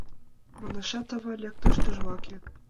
Манешат ава, лектеш тӱжваке